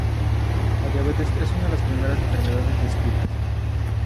La diabetes es una de las primeras enfermedades descritas.